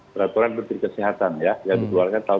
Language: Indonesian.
peraturan berpikir kesehatan yang dikeluarkan tahun dua ribu empat belas